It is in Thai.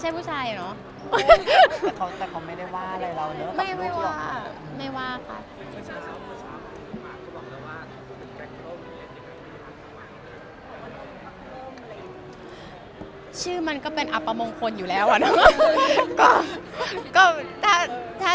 เหมือนไปหอมแก้มกัน